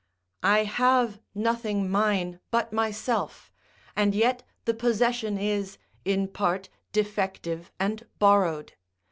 I have nothing mine but myself, and yet the possession is, in part, defective and borrowed.